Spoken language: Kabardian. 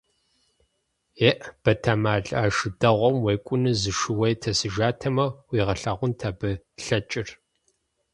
ЕӀ, бетэмал, а шы дэгъуэм екӀуну зы шууей тесыжатэмэ, уигъэлъагъунт абы лъэкӀыр!